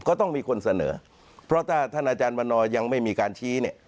ก็ต้องมีคนเสนอเพราะถ้าท่านอาจารย์วันนอร์ยังไม่มีการชี้เนี่ย